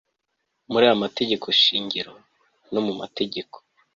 muri aya mategeko shingiro no mu mategeko